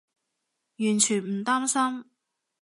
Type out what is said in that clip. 完全唔擔心